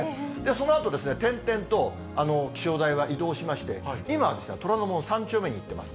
そのあと、転々と気象台は移動しまして、今は虎ノ門３丁目にいってます。